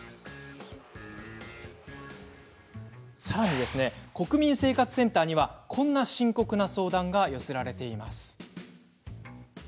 さらに、国民生活センターにはこんな深刻な相談が寄せられています。